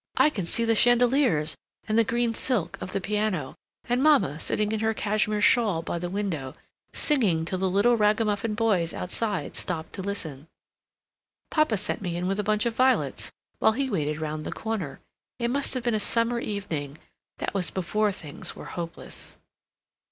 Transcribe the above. I can see the chandeliers, and the green silk of the piano, and Mamma sitting in her cashmere shawl by the window, singing till the little ragamuffin boys outside stopped to listen. Papa sent me in with a bunch of violets while he waited round the corner. It must have been a summer evening. That was before things were hopeless...."